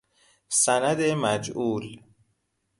سند مجعول